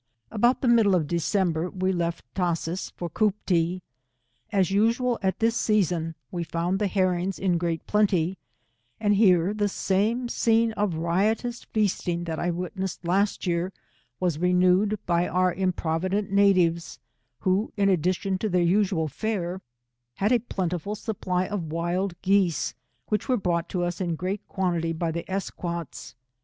About the middle of December, weleftTasiiees for Cooptee. As usual at this season, we found the herrings in great plenty, and here the same scene of riotous feasting that I witnessed last year, was renewed by pur improvident natives, who, in addition to their usual fare, had a plentiful supply of wild geese, which were brought us in great quan tities by the Esquotes.